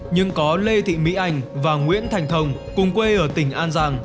nhưng có lê thị mỹ anh và nguyễn thành thông cùng quê ở tỉnh an giang